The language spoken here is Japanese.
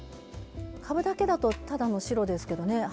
かぶだけだとただの白ですけどね